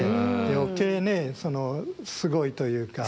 余計ねすごいというか。